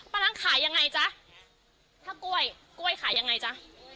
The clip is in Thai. ร้านขายยังไงจ๊ะถ้ากล้วยกล้วยขายยังไงจ๊ะ